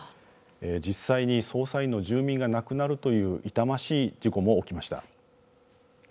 実際に操作員の住民が亡くなるという痛ましい事故も起きました。